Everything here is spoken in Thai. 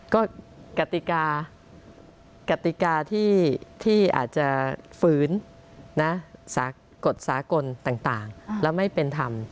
ก็กติกากติกาที่อาจจะฝืนสากฎสากลต่างแล้วไม่เป็นธรรม